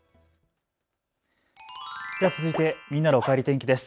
では続いてみんなのおかえり天気です。